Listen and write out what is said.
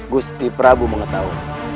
gusti prabu mengetahui